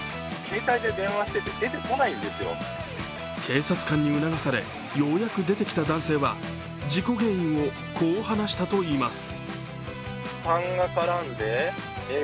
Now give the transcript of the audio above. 警察官に促され、ようやく出てきた男性は、事故原因をこう話したといいます。